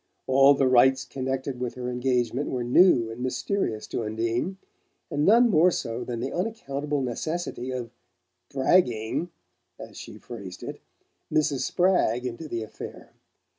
All the rites connected with her engagement were new and mysterious to Undine, and none more so than the unaccountable necessity of "dragging" as she phrased it Mrs. Spragg into the affair.